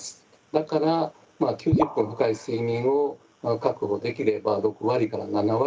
だから９０分深い睡眠を確保できれば６割７割